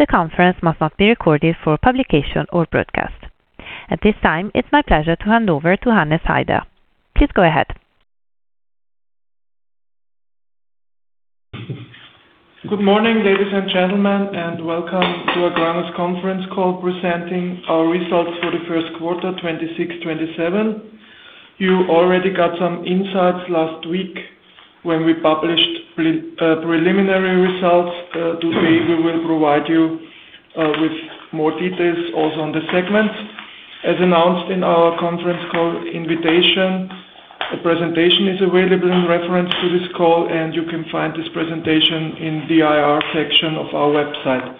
The conference must not be recorded for publication or broadcast. At this time, it's my pleasure to hand over to Hannes Haider. Please go ahead. Good morning, ladies and gentlemen. Welcome to AGRANA's conference call presenting our results for the first quarter 2026-2027. You already got some insights last week when we published preliminary results. Today, we will provide you with more details also on the segment. As announced in our conference call invitation, a presentation is available in reference to this call. You can find this presentation in the IR section of our website.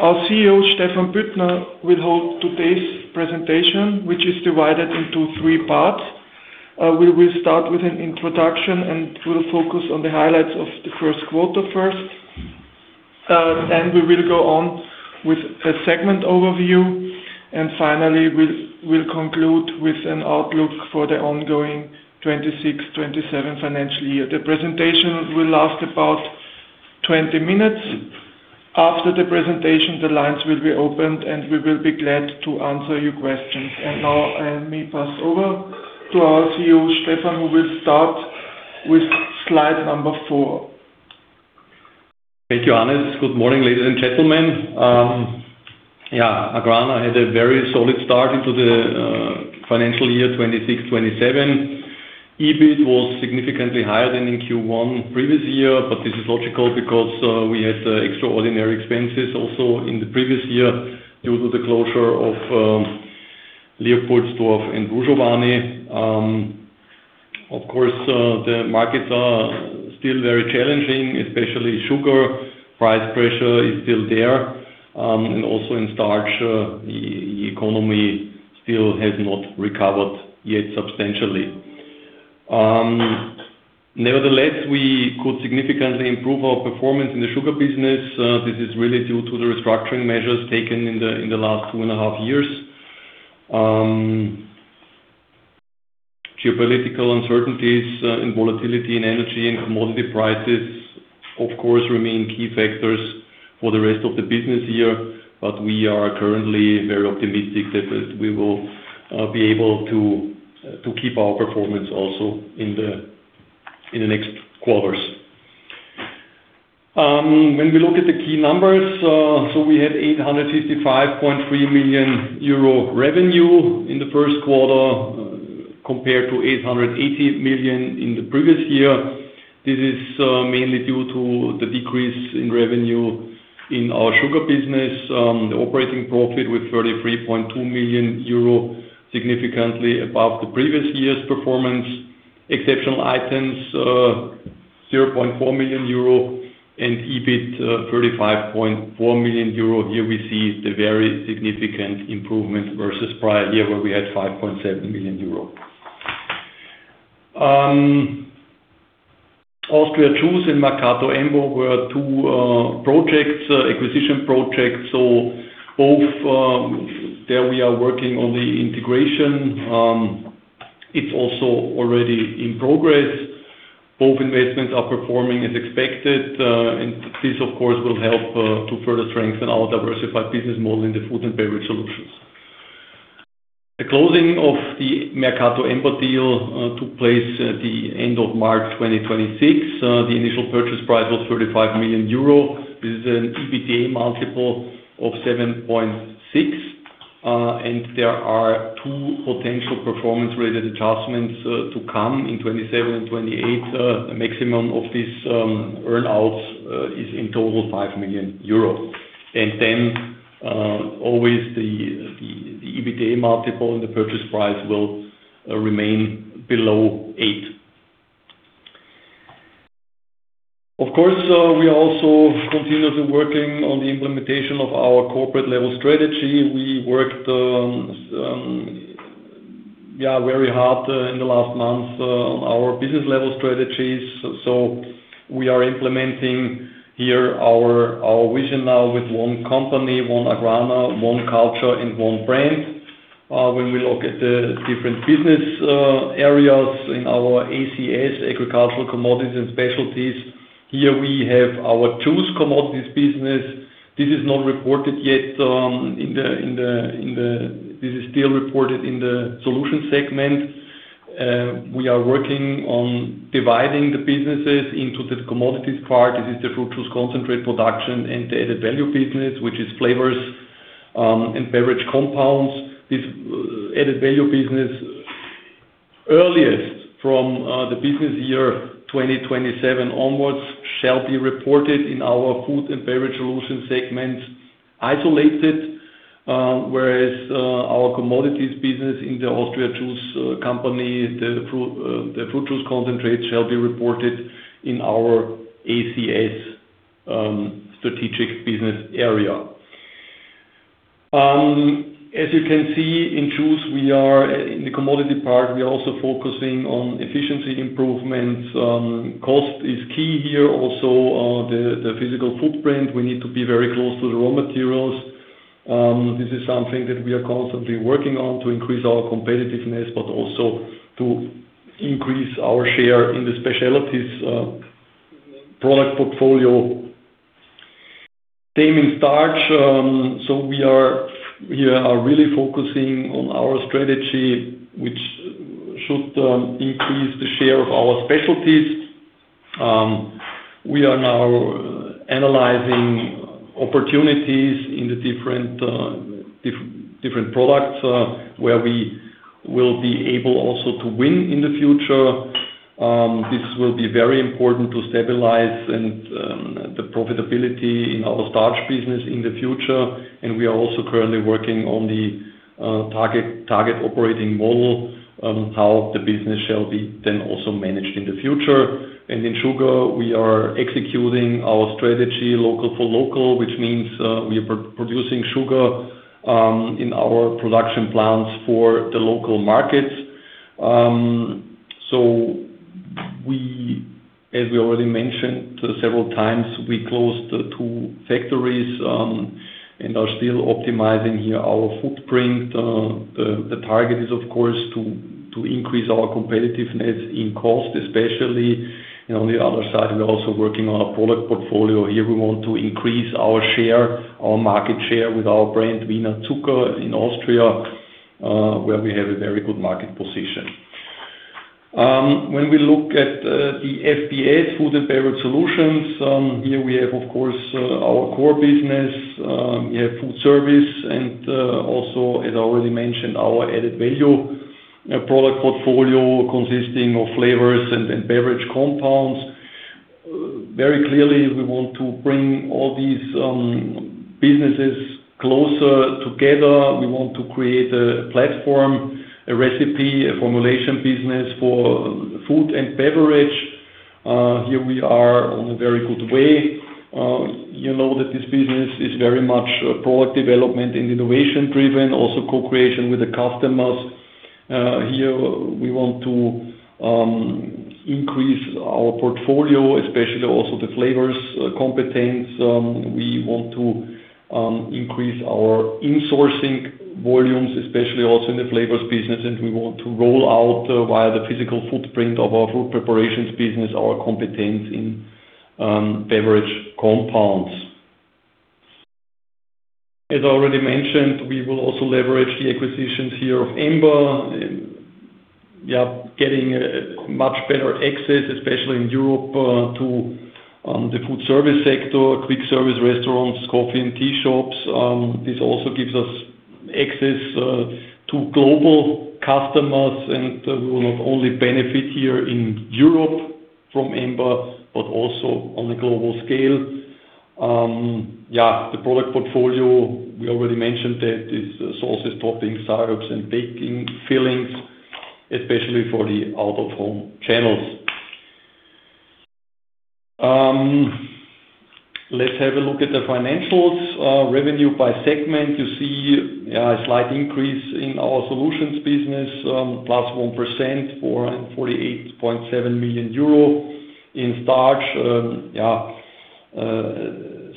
Our CEO, Stephan Büttner, will hold today's presentation, which is divided into three parts. We will start with an introduction. We'll focus on the highlights of the first quarter first. We will go on with a segment overview. Finally, we'll conclude with an outlook for the ongoing 2026-2027 financial year. The presentation will last about 20 minutes. After the presentation, the lines will be opened. We will be glad to answer your questions. Now, I may pass over to our CEO, Stephan, who will start with slide number four. Thank you, Hannes. Good morning, ladies and gentlemen. AGRANA had a very solid start into the financial year 2026-2027. EBIT was significantly higher than in Q1 previous year. This is logical because we had extraordinary expenses also in the previous year due to the closure of Leopoldsdorf and Hrušovany. The markets are still very challenging, especially sugar price pressure is still there. Also in starch, the economy still has not recovered yet substantially. Nevertheless, we could significantly improve our performance in the sugar business. This is really due to the restructuring measures taken in the last two and a half years. Geopolitical uncertainties and volatility in energy and commodity prices, of course, remain key factors for the rest of the business year. We are currently very optimistic that we will be able to keep our performance also in the next quarters. We look at the key numbers, we had 855.3 million euro revenue in the first quarter compared to 880 million in the previous year. This is mainly due to the decrease in revenue in our sugar business. The operating profit was 33.2 million euro, significantly above the previous year's performance. Exceptional items, 0.4 million euro, and EBIT 35.4 million euro. Here we see the very significant improvement versus prior year where we had 5.7 million euro. AUSTRIA JUICE and Mercator-Emba were two acquisition projects. Both, there we are working on the integration. It is also already in progress. Both investments are performing as expected. This of course will help to further strengthen our diversified business model in the food and beverage solutions. The closing of the Mercator-Emba deal took place at the end of March 2026. The initial purchase price was EUR 35 million. This is an EBITDA multiple of 7.6x. There are two potential performance-related adjustments to come in 2027 and 2028. The maximum of these earn-outs is in total 5 million euros. Always the EBITDA multiple and the purchase price will remain below 8x. Of course, we are also continuously working on the implementation of our corporate level strategy. We worked very hard in the last month on our business level strategies. We are implementing here our vision now with one company, one AGRANA, one culture, and one brand. When we look at the different business areas in our ACS, Agricultural Commodities and Specialties, here we have our Juice commodities business. This is not reported yet. This is still reported in the solutions segment. We are working on dividing the businesses into the commodities part. This is the fruit juice concentrate production and the added-value business, which is flavors, and beverage compounds. This added-value business, earliest from the business year 2027 onwards, shall be reported in our food and beverage solutions segment isolated. Whereas our commodities business in the AUSTRIA JUICE company, the fruit juice concentrates shall be reported in our ACS strategic business area. As you can see, in Juice, in the commodity part, we are also focusing on efficiency improvements. Cost is key here, also, the physical footprint. We need to be very close to the raw materials. This is something that we are constantly working on to increase our competitiveness, but also to increase our share in the specialties product portfolio. In starch, we are really focusing on our strategy, which should increase the share of our specialties. We are now analyzing opportunities in the different products, where we will be able also to win in the future. This will be very important to stabilize the profitability in our starch business in the future, we are also currently working on the target operating model, how the business shall be then also managed in the future. In sugar, we are executing our strategy local for local, which means we are producing sugar in our production plants for the local markets. As we already mentioned several times, we closed two factories and are still optimizing here our footprint. The target is, of course, to increase our competitiveness in cost, especially. On the other side, we are also working on a product portfolio. Here we want to increase our market share with our brand Wiener Zucker in Austria, where we have a very good market position. When we look at the FBS, Food and Beverage Solutions, here we have, of course, our core business. We have food service and also, as I already mentioned, our added value product portfolio consisting of flavors and beverage compounds. Very clearly, we want to bring all these businesses closer together. We want to create a platform, a recipe, a formulation business for food and beverage. Here we are on a very good way. You know that this business is very much product development and innovation-driven, also co-creation with the customers. Here, we want to increase our portfolio, especially also the flavors competence. We want to increase our insourcing volumes, especially also in the flavors business, and we want to roll out via the physical footprint of our food preparations business, our competence in beverage compounds. As already mentioned, we will also leverage the acquisitions here of EMBA. We are getting much better access, especially in Europe, to the food service sector, quick service restaurants, coffee and tea shops. This also gives us access to global customers, and we will not only benefit here in Europe from EMBA, but also on a global scale. The product portfolio, we already mentioned that is sauces, toppings, syrups, and baking fillings, especially for the out-of-home channels. Let's have a look at the financials. Revenue by segment. You see a slight increase in our Solutions business, +1%, 448.7 million euro. In starch,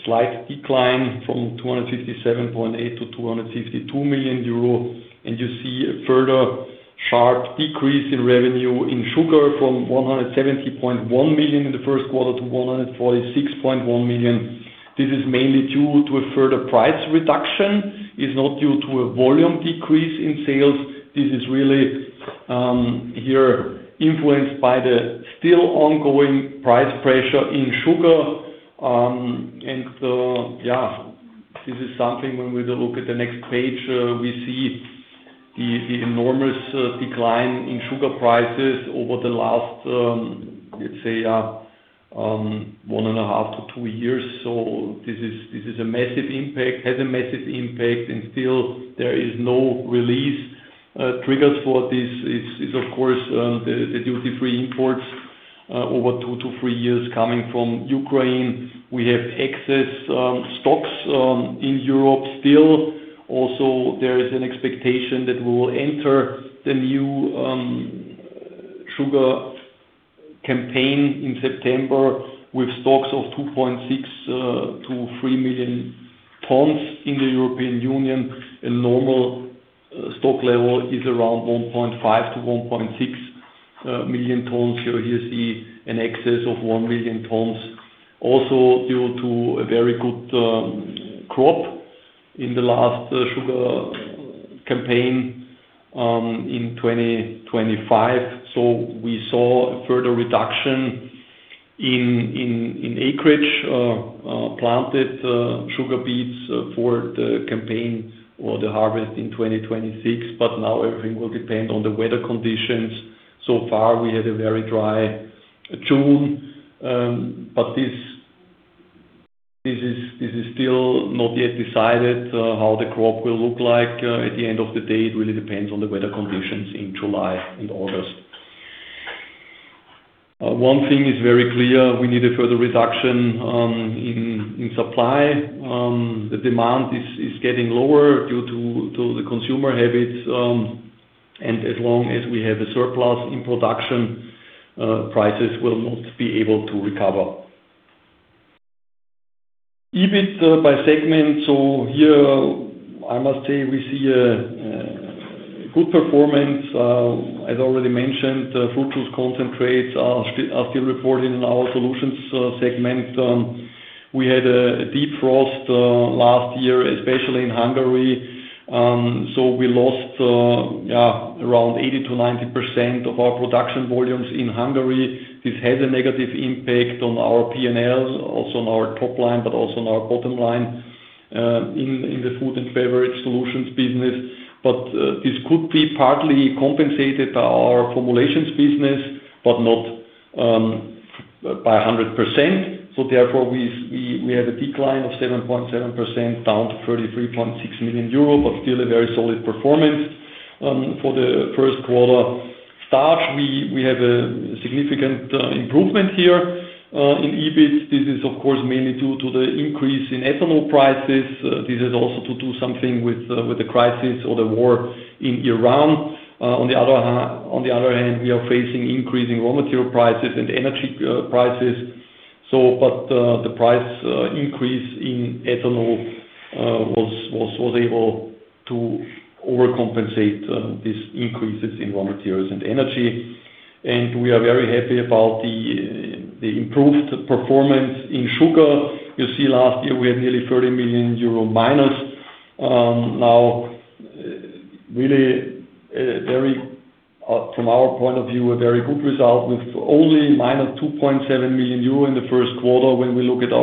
slight decline from 257.8 million-252 million euro. You see a further sharp decrease in revenue in sugar from 170.1 million in the first quarter to 146.1 million. This is mainly due to a further price reduction. It's not due to a volume decrease in sales. This is really influenced by the still ongoing price pressure in sugar. This is something when we look at the next page, we see the enormous decline in sugar prices over the last, let's say, one and a half to two years. This has a massive impact, and still, there is no release triggers for this. It's of course, the duty-free imports over two to three years coming from Ukraine. We have excess stocks in Europe still. Also, there is an expectation that we will enter the new sugar campaign in September with stocks of 2.6 million-3 million tons in the European Union. A normal stock level is around 1.5 million-1.6 million tons. Here you see an excess of 1 million tons also due to a very good crop in the last sugar campaign in 2025. We saw a further reduction in acreage of planted sugar beets for the campaign or the harvest in 2026, now everything will depend on the weather conditions. So far, we had a very dry June. This is still not yet decided how the crop will look like. At the end of the day, it really depends on the weather conditions in July and August. One thing is very clear, we need a further reduction in supply. The demand is getting lower due to the consumer habits. As long as we have a surplus in production, prices will not be able to recover. EBIT by segment. Here, I must say we see a good performance. As already mentioned, fruit juice concentrates are still reported in our Solutions segment. We had a deep frost last year, especially in Hungary. We lost around 80%-90% of our production volumes in Hungary. This has a negative impact on our P&L, also on our top line, but also on our bottom line in the Food and Beverage Solutions business. This could be partly compensated by our formulations business, but not by 100%. Therefore, we have a decline of 7.7% down to 33.6 million euro, but still a very solid performance. For the first quarter Starch, we have a significant improvement here in EBIT. This is of course, mainly due to the increase in ethanol prices. This has also to do something with the crisis or the war in Ukraine. On the other hand, we are facing increasing raw material prices and energy prices. The price increase in ethanol was able to overcompensate these increases in raw materials and energy, and we are very happy about the improved performance in sugar. You see, last year we had nearly -30 million euro. Now, really from our point of view, a very good result with only -2.7 million euro in the first quarter. When we look at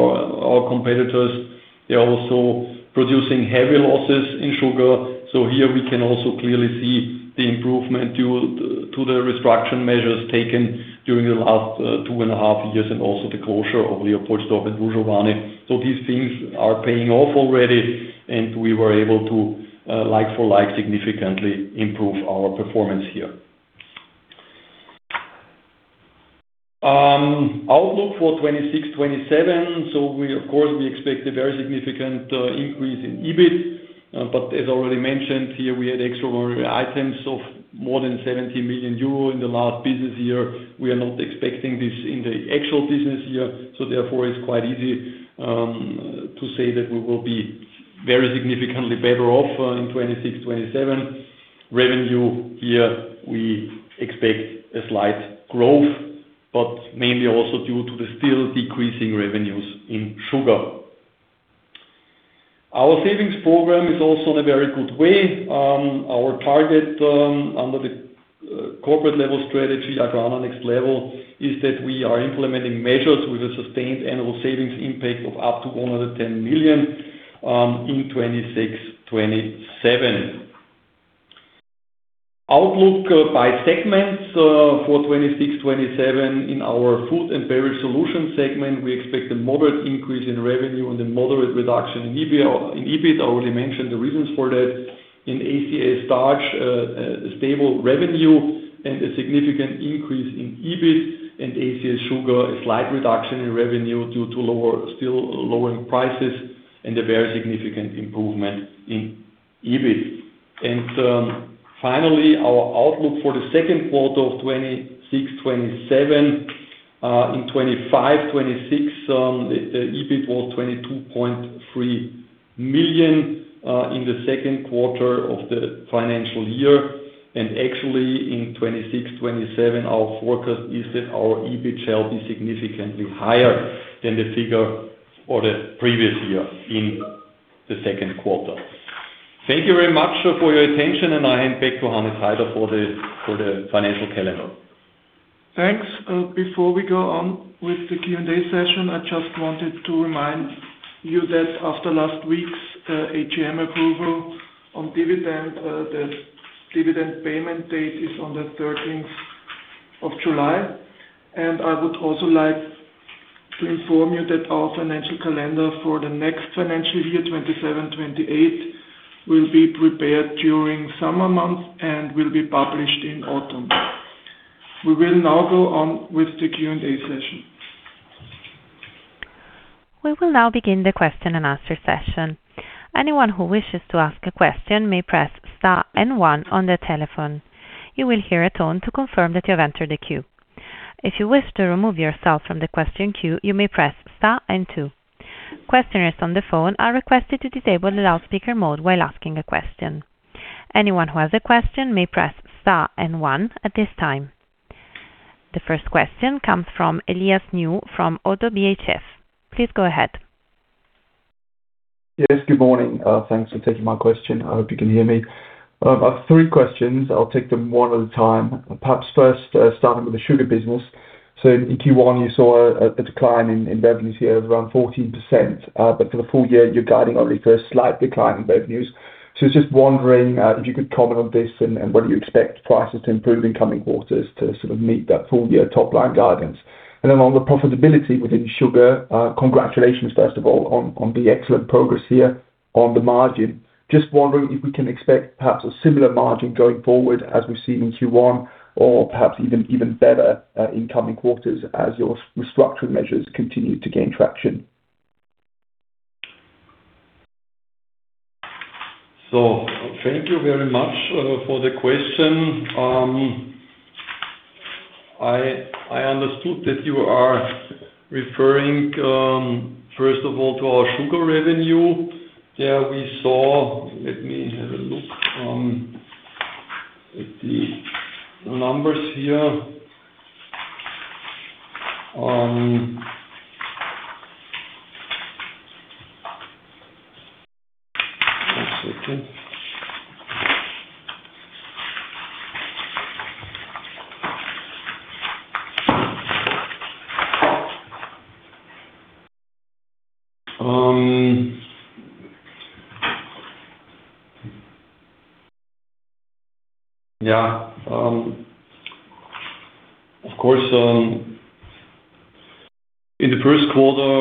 our competitors, they are also producing heavy losses in sugar. Here we can also clearly see the improvement due to the restructuring measures taken during the last two and a half years, and also the closure of Leopoldsdorf and Hrušovany. These things are paying off already, and we were able to like for like significantly improve our performance here. Outlook for 2026-2027. Of course, we expect a very significant increase in EBIT, as already mentioned here, we had extraordinary items of more than 70 million euro in the last business year. We are not expecting this in the actual business year. Therefore, it's quite easy to say that we will be very significantly better off in 2026-2027. Revenue here, we expect a slight growth, mainly also due to the still decreasing revenues in sugar. Our savings program is also in a very good way. Our target under the corporate level strategy, AGRANA NEXT LEVEL, is that we are implementing measures with a sustained annual savings impact of up to 110 million in 2026-2027. Outlook by segments for 2026-2027. In our Food and Beverage Solutions segment, we expect a moderate increase in revenue and a moderate reduction in EBIT. I already mentioned the reasons for that. In ACS Starch, a stable revenue and a significant increase in EBIT, ACS Sugar, a slight reduction in revenue due to still lowering prices and a very significant improvement in EBIT. Finally, our outlook for the second quarter of 2026-2027. In 2025-2026, the EBIT was 22.3 million in the second quarter of the financial year. Actually in 2026-2027, our forecast is that our EBIT shall be significantly higher than the figure for the previous year in the second quarter. Thank you very much for your attention, and I hand back to Hannes Haider for the financial calendar. Thanks. Before we go on with the Q&A session, I just wanted to remind you that after last week's AGM approval on dividend, the dividend payment date is on July 13th. I would also like to inform you that our financial calendar for the next financial year, 2027, 2028, will be prepared during summer months and will be published in autumn. We will now go on with the Q&A session. We will now begin the question-and-answer session. Anyone who wishes to ask a question may press star and one on their telephone. You will hear a tone to confirm that you have entered a queue. If you wish to remove yourself from the question queue, you may press star and two. Questioners on the phone are requested to disable the loudspeaker mode while asking a question. Anyone who has a question may press star and one at this time. The first question comes from Elias New from ODDO BHF. Please go ahead. Yes, good morning. Thanks for taking my question. I hope you can hear me. I have three questions. I'll take them one at a time. Perhaps first, starting with the sugar business. In Q1 you saw a decline in revenues here of around 14%, but for the full year, you're guiding only for a slight decline in revenues. Just wondering if you could comment on this, and whether you expect prices to improve in coming quarters to sort of meet that full year top line guidance. Then on the profitability within sugar, congratulations first of all on the excellent progress here on the margin. Just wondering if we can expect perhaps a similar margin going forward as we've seen in Q1 or perhaps even better in coming quarters as your restructuring measures continue to gain traction. Thank you very much for the question. I understood that you are referring, first of all, to our sugar revenue. There we saw, let me have a look at the numbers here. One second. Of course, in the first quarter,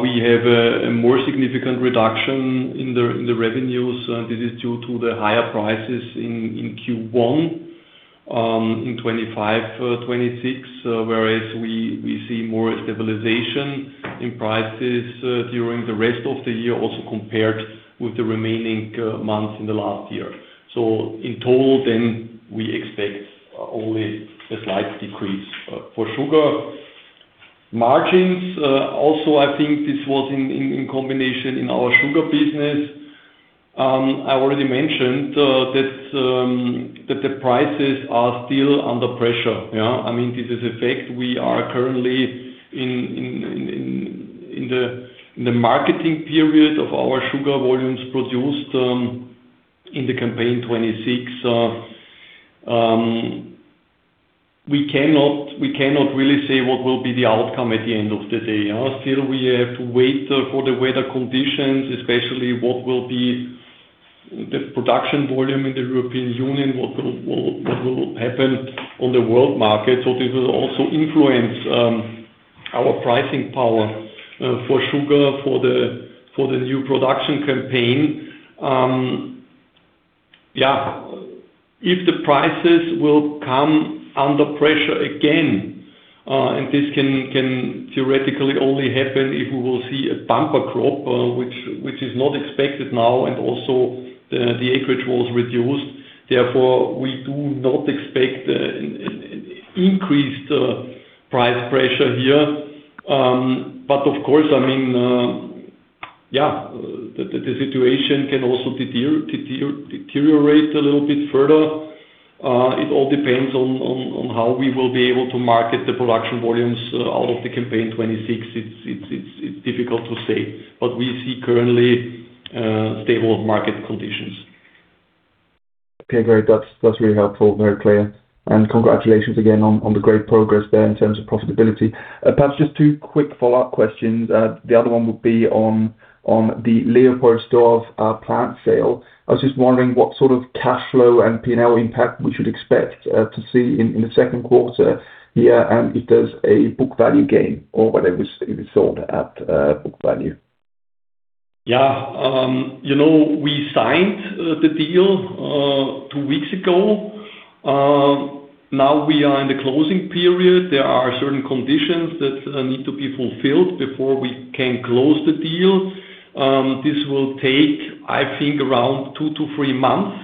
we have a more significant reduction in the revenues. This is due to the higher prices in Q1 in 2025-2026, whereas we see more stabilization in prices during the rest of the year, also compared with the remaining months in the last year. In total, we expect only a slight decrease for sugar margins. I think this was in combination in our sugar business. I already mentioned that the prices are still under pressure. This is a fact. We are currently in the marketing period of our sugar volumes produced in the campaign 2026. We cannot really say what will be the outcome at the end of the day. Still, we have to wait for the weather conditions, especially what will be the production volume in the European Union, what will happen on the world market. This will also influence our pricing power for sugar for the new production campaign 2026. If the prices will come under pressure again, and this can theoretically only happen if we will see a bumper crop, which is not expected now, and also the acreage was reduced. Therefore, we do not expect increased price pressure here. But of course, the situation can also deteriorate a little bit further. It all depends on how we will be able to market the production volumes out of the campaign 2026. It's difficult to say, but we see currently stable market conditions. Okay, great. That's really helpful. Very clear. Congratulations again on the great progress there in terms of profitability. Perhaps just two quick follow-up questions. The other one would be on the Leopoldsdorf plant sale. I was just wondering what sort of cash flow and P&L impact we should expect to see in the second quarter here, and if there's a book value gain or whether it was sold at book value. We signed the deal two weeks ago. Now we are in the closing period. There are certain conditions that need to be fulfilled before we can close the deal. This will take, I think, around two to three months.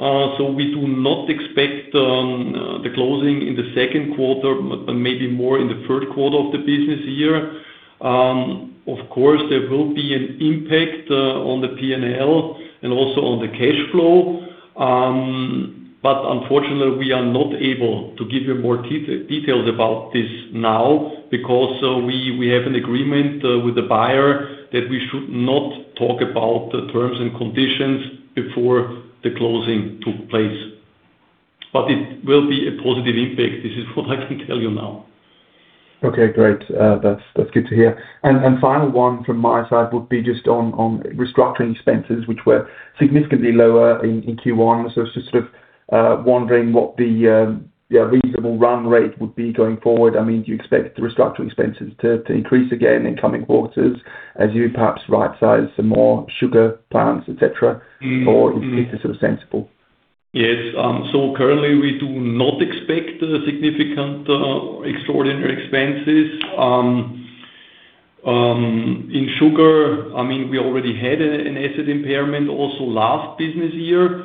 We do not expect the closing in the second quarter, but maybe more in the third quarter of the business year. Of course, there will be an impact on the P&L and also on the cash flow. But unfortunately, we are not able to give you more details about this now because we have an agreement with the buyer that we should not talk about the terms and conditions before the closing took place. But it will be a positive impact. This is what I can tell you now. Okay, great. That's good to hear. Final one from my side would be just on restructuring expenses, which were significantly lower in Q1. I was just wondering what the reasonable run rate would be going forward. Do you expect the restructuring expenses to increase again in coming quarters as you perhaps rightsize some more sugar plants, etc, or if this is sensible? Currently, we do not expect significant extraordinary expenses. In sugar, we already had an asset impairment also last business year.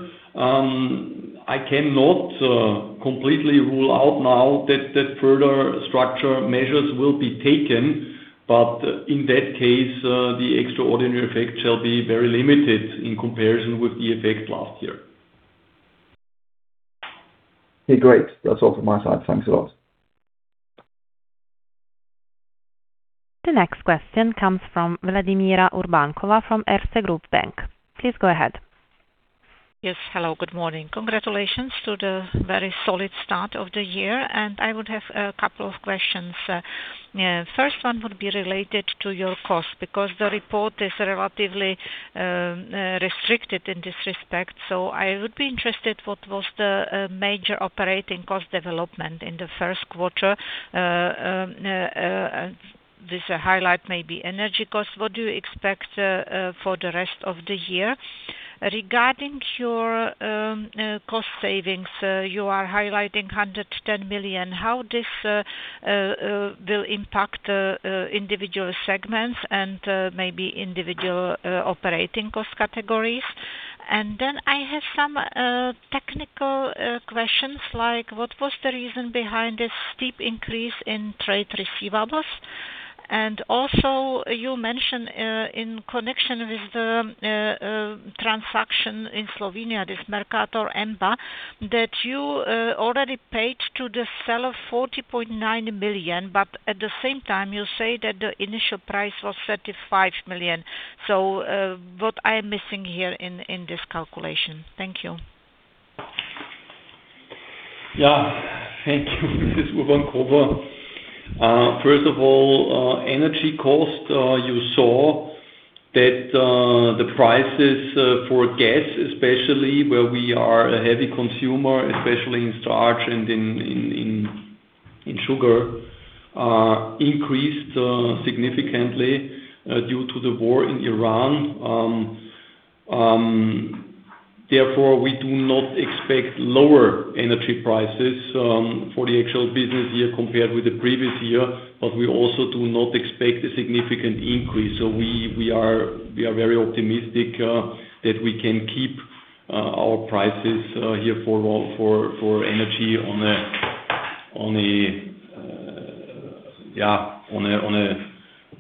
I cannot completely rule out now that further structure measures will be taken, but in that case, the extraordinary effect shall be very limited in comparison with the effects last year. Great. That's all from my side. Thanks a lot. The next question comes from Vladimira Urbankova from Erste Group Bank. Please go ahead. Yes. Hello, good morning. Congratulations to the very solid start of the year. I would have a couple of questions. First one would be related to your cost, because the report is relatively restricted in this respect. I would be interested, what was the major operating cost development in the first quarter? This highlight may be energy cost. What do you expect for the rest of the year? Regarding your cost savings, you are highlighting 110 million. How this will impact individual segments and maybe individual operating cost categories? Then I have some technical questions, like what was the reason behind this steep increase in trade receivables? Also, you mentioned in connection with the transaction in Slovenia, this Mercator-Emba, that you already paid to the seller 40.9 million, but at the same time, you say that the initial price was 35 million. What I am missing here in this calculation? Thank you. Thank you, Ms. Urbankova. First of all, energy cost, you saw that the prices for gas, especially where we are a heavy consumer, especially in starch and in sugar, increased significantly due to the war in Ukraine. Therefore, we do not expect lower energy prices for the actual business year compared with the previous year. We also do not expect a significant increase. We are very optimistic that we can keep our prices here for energy on a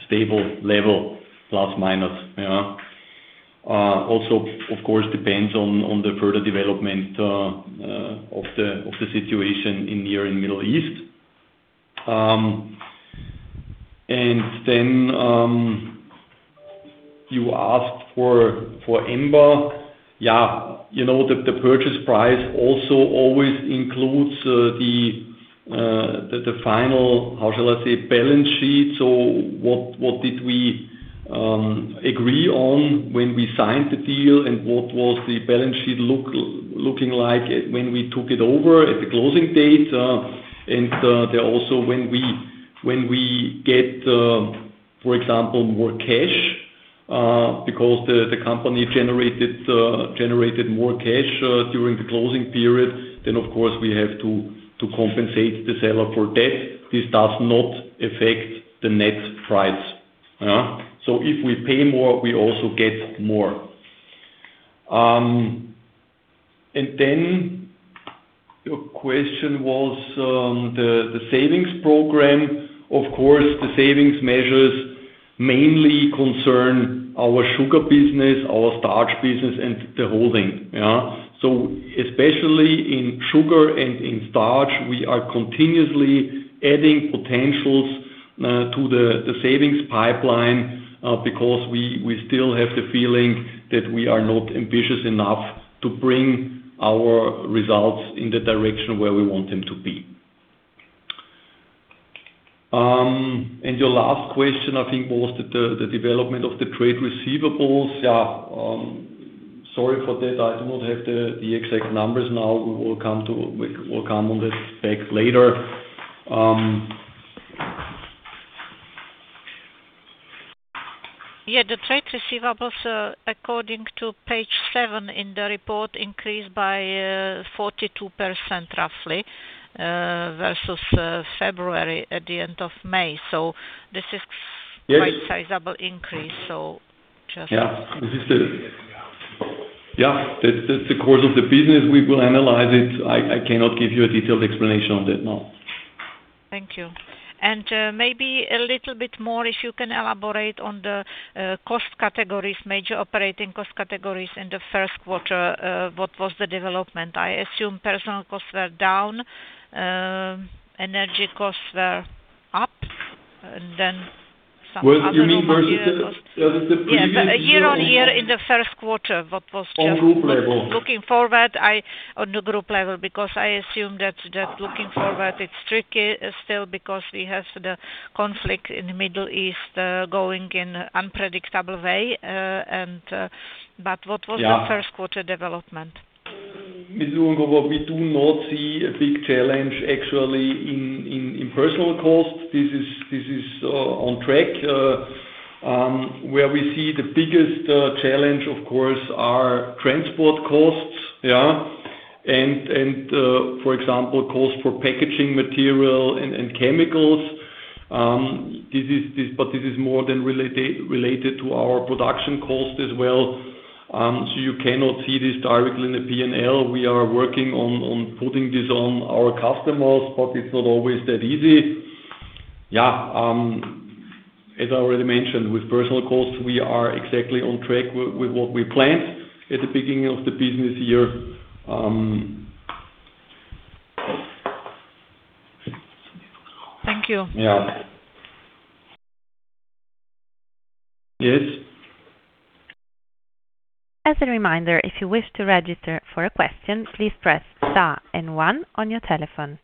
stable level, plus, minus. Also, of course, depends on the further development of the situation here in Middle East. Then you asked for EMBA. The purchase price also always includes the final, how shall I say, balance sheet. What did we agree on when we signed the deal, and what was the balance sheet looking like when we took it over at the closing date? Also, when we get, for example, more cash because the company generated more cash during the closing period, then of course, we have to compensate the seller for debt. This does not affect the net price. If we pay more, we also get more. Then your question was on the savings program. Of course, the savings measures mainly concern our sugar business, our starch business, and the holding. Especially in sugar and in starch, we are continuously adding potentials to the savings pipeline because we still have the feeling that we are not ambitious enough to bring our results in the direction where we want them to be. Your last question, I think, was the development of the trade receivables. Sorry for that. I do not have the exact numbers now. We will come on this back later. The trade receivables, according to page seven in the report, increased by 42% roughly versus February at the end of May. This is quite a sizable increase. Yeah. That's the course of the business. We will analyze it. I cannot give you a detailed explanation on that now. Thank you. Maybe a little bit more, if you can elaborate on the cost categories, major operating cost categories in the first quarter, what was the development? I assume personal costs were down, energy costs were up, then some other- You mean versus the previous year or- Yes. Year-on-year in the first quarter, what was the- ...on group level. On the group level, because I assume that looking forward, it's tricky still because we have the conflict in the Middle East going in unpredictable way. What was the first-quarter development? Ms. Urbankova, we do not see a big challenge actually in personal cost. This is on track. Where we see the biggest challenge, of course, are transport costs, and for example, cost for packaging material and chemicals. This is more than related to our production cost as well, so you cannot see this directly in the P&L. We are working on putting this on our customers, but it's not always that easy. As I already mentioned, with personal costs, we are exactly on track with what we planned at the beginning of the business year. Thank you. Yeah. Yes. As a reminder, if you wish to register for a question, please press star and one on your telephone.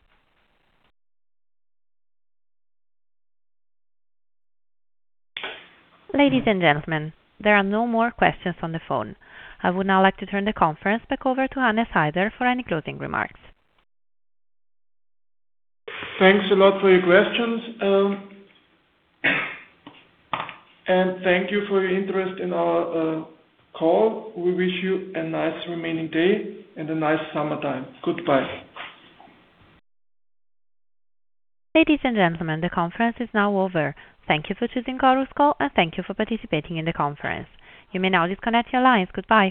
Ladies and gentlemen, there are no more questions on the phone. I would now like to turn the conference back over to Hannes Haider for any closing remarks. Thanks a lot for your questions. Thank you for your interest in our call. We wish you a nice remaining day and a nice summertime. Goodbye. Ladies and gentlemen, the conference is now over. Thank you for choosing Chorus Call. Thank you for participating in the conference. You may now disconnect your lines. Goodbye